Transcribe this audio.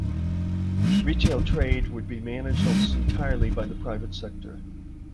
Retail trade would be managed almost entirely by the private sector.